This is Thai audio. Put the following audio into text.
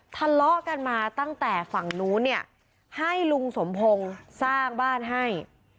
ทะเลาะกันมาตั้งแต่ฝั่งนู้นเนี่ยให้ลุงสมพงศ์สร้างบ้านให้